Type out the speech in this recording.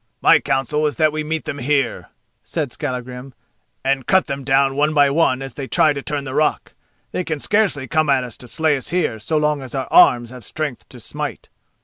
"My counsel is that we meet them here," said Skallagrim, "and cut them down one by one as they try to turn the rock. They can scarcely come at us to slay us here so long as our arms have strength to smite."